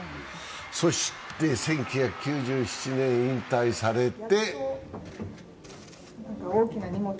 そして１９９７年、引退されて。